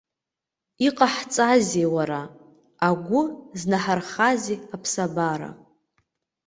Иҟаҳҵазеи, уара, агәы зынҳархазеи аԥсабара?